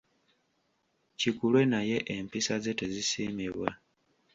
Kikulwe naye empisa ze tezisiimibwa.